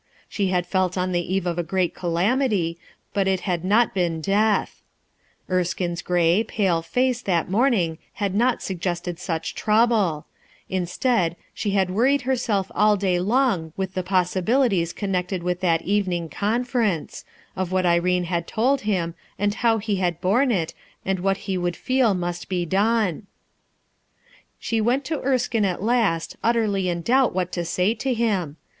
She had felt on the eve of a great calamity, but it had not been death. Erskine's gray, pale face that morning had not suggested such trouble. Instead, she h&d "SOMETHING HAD HAPPENED" worried herself all day I ong ^ th thfi ^ t i 0S connected with that evening conferee" f what Irene had told him, an d how he had bome it and what he would feel mus t ^ doQp She went to Erskine at last, utterly in doubt what to say to him.